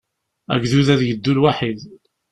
Agdud ad yeddu lwaḥid.